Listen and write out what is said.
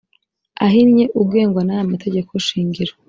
ahinnye ugengwa n aya mategeko shingiro